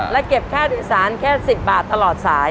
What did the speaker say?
และเก็บค่าโดยสารแค่๑๐บาทตลอดสาย